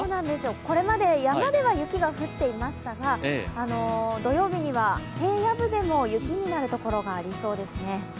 これまで山では雪が降っていましたが土曜日には、平野部でも雪になるところがありそうですね。